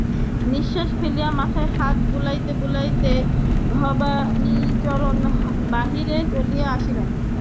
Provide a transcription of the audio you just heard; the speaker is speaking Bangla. নিশ্বাস ফেলিয়া মাথায় হাত বুলাইতে বুলাইতে ভবানীচরণ বাহিরে চলিয়া আসিলেন।